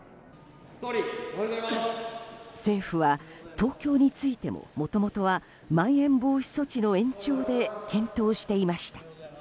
政府は東京についてももともとはまん延防止措置の延長で検討していました。